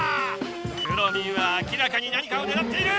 くろミンは明らかに何かをねらっている！